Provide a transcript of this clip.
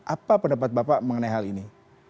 apa pendapat bapak mengenai hal ini